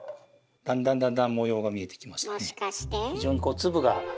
だんだんだんだん模様が見えてきましたね。